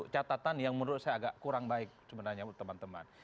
catatan yang menurut saya agak kurang baik sebenarnya untuk teman teman